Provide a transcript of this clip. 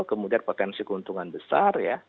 kemudian potensi keuntungan besar